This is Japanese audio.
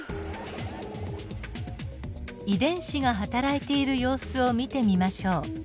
遺伝子がはたらいている様子を見てみましょう。